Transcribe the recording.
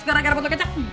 gara gara botol kecap